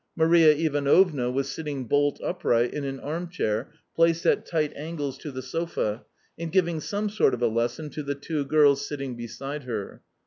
Maria Ivanovna was sitting bolt upright in an arm chair placed at tight angles to the sofa, and giving some sort of a lesson to the two girls sitting beside her.